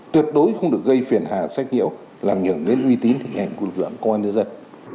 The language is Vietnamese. tuyệt đối không được gây phiền hà sách hiểu làm nhường đến uy tín hình hành của lực lượng công an dân dân